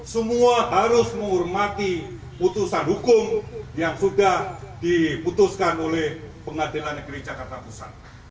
semua harus menghormati putusan hukum yang sudah diputuskan oleh pengadilan negeri jakarta pusat